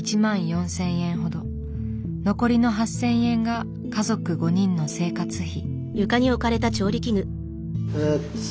残りの８，０００円が家族５人の生活費。